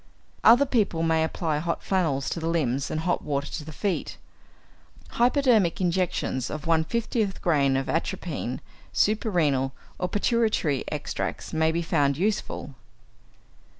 Other people may apply hot flannels to the limbs and hot water to the feet. Hypodermic injections of 1/50 grain of atropine, suprarenal or pituitary extracts, may be found useful.